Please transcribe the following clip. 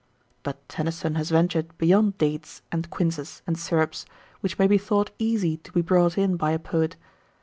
But Tennyson has ventured beyond dates, and quinces, and syrups, which may be thought easy to be brought in by a poet.